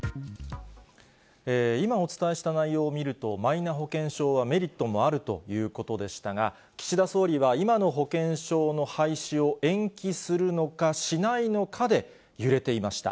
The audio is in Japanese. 今、お伝えした内容を見ると、マイナ保険証はメリットもあるということでしたが、岸田総理は今の保険証の廃止を延期するのか、しないのかで、揺れていました。